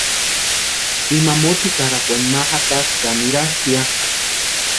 Ima mótsitarakwani ma jatasti ka nirastia.